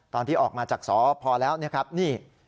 ตอนที่ออกมาจากสอบพอแล้วนี่